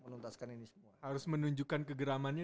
menuntaskan ini semua harus menunjukkan kegeramannya